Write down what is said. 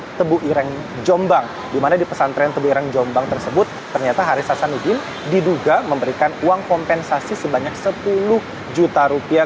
di tebu ireng jombang di mana di pesantren tebu ireng jombang tersebut ternyata haris hasanuddin diduga memberikan uang kompensasi sebanyak sepuluh juta rupiah